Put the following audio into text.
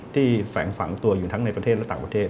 แฝงฝังตัวอยู่ทั้งในประเทศและต่างประเทศ